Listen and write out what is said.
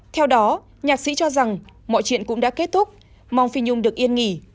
theo đó nhạc sĩ cho rằng mọi chuyện cũng đã kết thúc mong phi nhung được yên nghỉ